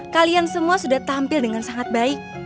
kalian semua sudah tampil dengan sangat baik